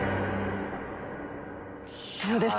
どうでした？